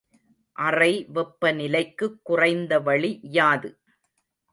அறை வெப்பநிலைக்குக் குறைந்த வளி யாது?